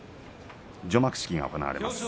除幕式が行われます。